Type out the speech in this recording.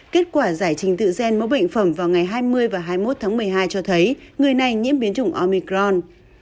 kết quả giải trình tự gen mẫu bệnh phẩm vào ngày hai mươi và hai mươi một tháng một mươi hai cho thấy người này nhiễm biến chủng omicron